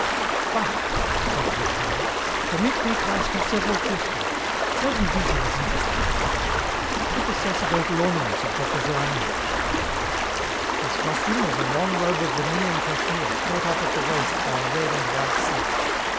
"But," said Durtal, "permit me to ask you several questions. Certain details interest me. What were the sacerdotal ornaments of Dr. Johannès?" "His costume was a long robe of vermilion cashmere caught up at the waist by a red and white sash.